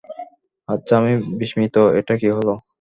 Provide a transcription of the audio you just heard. আচ্ছা, আমি বিস্মিত, এটা কি হলো?